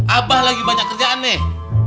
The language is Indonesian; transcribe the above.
abah lagi banyak kerjaan nih